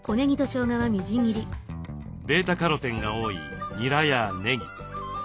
βカロテンが多いにらやねぎ。